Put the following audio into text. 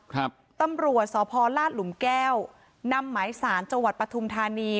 ครับตำรวจสพลาดหลุมแก้วนำหมายสารจังหวัดปฐุมธานี